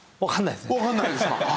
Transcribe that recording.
わからないですか？